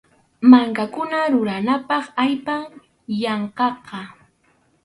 Mankakuna ruranapaq allpam llankaqa.